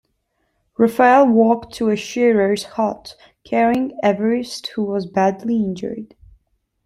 Raphael walked to a shearers' hut, carrying Everist who was badly injured.